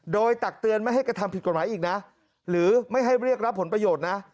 โดยตักเตือนไม่ให้กระทำผิดกฎหมายอีกนะหรือไม่ให้เรียกรับผลประโยชน์นะ